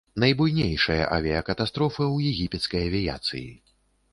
Найбуйнейшая авіякатастрофа ў егіпецкай авіяцыі.